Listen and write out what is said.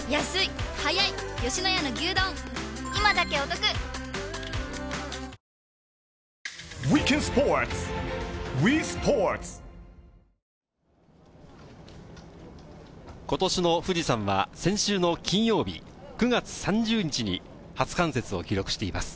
「感謝セール」２４日まで今年の富士山は先週の金曜日９月３０日に初冠雪を記録しています。